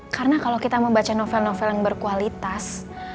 karena kalau kita membaca novel novel yang berkualitas